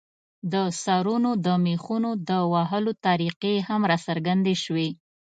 د سرونو د مېخونو د وهلو طریقې هم راڅرګندې شوې.